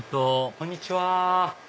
こんにちは。